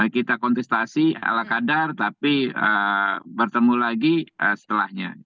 kita kontestasi ala kadar tapi bertemu lagi setelahnya